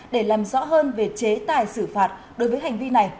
để làm rõ hơn về chế tài xử phạt đối với hành vi này